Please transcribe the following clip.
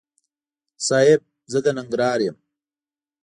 صاحب! زه د ننګرهار یم.